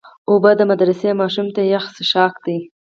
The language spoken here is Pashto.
اوبه د مدرسې ماشوم ته یخ څښاک دی.